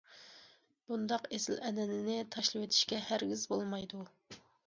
بۇنداق ئېسىل ئەنئەنىنى تاشلىۋېتىشكە ھەرگىز بولمايدۇ.